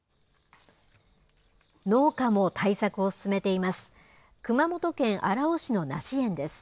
農家も対策を進めています。